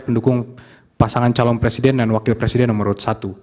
pendukung pasangan calon presiden dan wakil presiden nomor satu